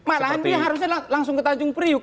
malahan dia harusnya langsung ke tanjung priuk